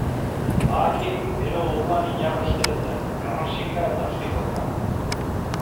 Baakir ero moduan inarrosten zen, garrasika eta ostikoka.